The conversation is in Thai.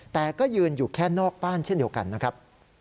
แต่ก็ยืนอยู่แค่นอกบ้านเช่นเดียวกันนะครับ